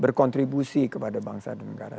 berkontribusi kepada bangsa dan negara